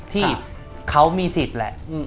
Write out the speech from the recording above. ที่เขามีสิทธิ์แหละ